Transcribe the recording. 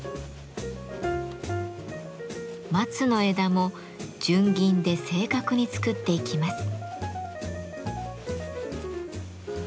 松の枝も純銀で正確に作っていきます。